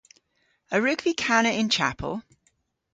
A wrug vy kana y'n chapel?